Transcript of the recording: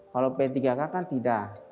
kalau p tiga k kan tidak